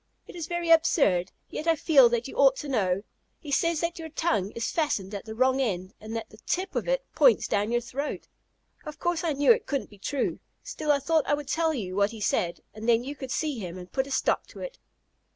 It is very absurd, yet I feel that you ought to know. He says that your tongue is fastened at the wrong end, and that the tip of it points down your throat. Of course, I knew it couldn't be true, still I thought I would tell you what he said, and then you could see him and put a stop to it."